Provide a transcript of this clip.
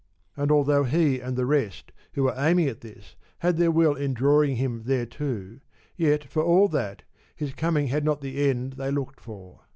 And although he and the rest who were aiming at this had their will in drawing him thereto, yet for all that, his coming had not the end they looked for.